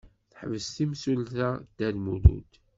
Teḥbes temsulta Dda Lmulud.